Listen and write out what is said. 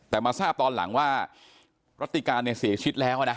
แต่มาทราบตอนหลังว่ารัติการเนี่ยเสียชีวิตแล้วนะ